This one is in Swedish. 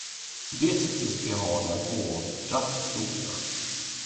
Detta tycktes behaga båda floderna.